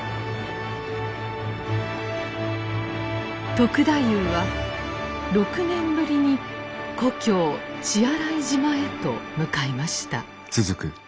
篤太夫は６年ぶりに故郷血洗島へと向かいました。